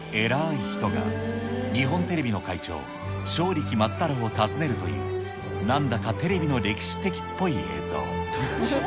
い人が、日本テレビの会長、正力松太郎を訪ねるという、なんだかテレビの歴史的っぽい映像。